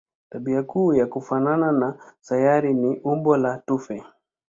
Tabia kuu ya kufanana na sayari ni umbo la tufe.